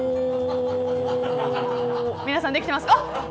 皆さん、できてますか。